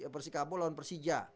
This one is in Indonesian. persikapu lawan persija